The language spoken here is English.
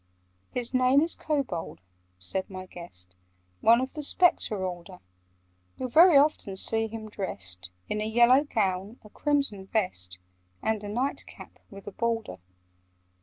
"His name is Kobold," said my guest: "One of the Spectre order: You'll very often see him dressed In a yellow gown, a crimson vest, And a night cap with a border.